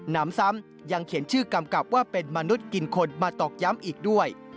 น้ำซ้ำยังเขียนชื่อกำกับว่าเป็นมนุษย์กินคนมาตอกย้ำอีกด้วย